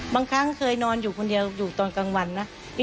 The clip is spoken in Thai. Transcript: บางครั้งเคยนอนอยู่คนเดียวอยู่ตอนกลางวันนะ